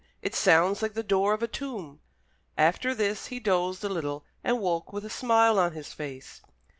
It sounds like the door of a tomb." After this he dozed a little, and woke with a smile on his face.